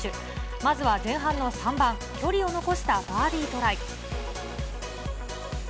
まずは前半の３番、距離を残したバーディートライ。